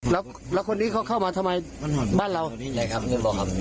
แล้วคนนี้เขาเข้ามาทำไมบ้านเรานี่ไงครับเงินบอกครับ